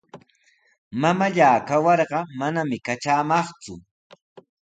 Mamallaa kawarqa manami katramaqku.